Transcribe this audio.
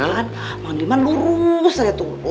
kan mang liman lurus aja tuh